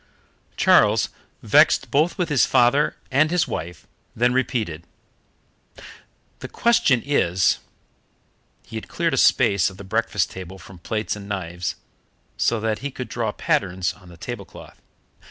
Charles, vexed both with his father and his wife, then repeated: "The question is " He had cleared a space of the breakfast table from plates and knives, so that he could draw patterns on the tablecloth.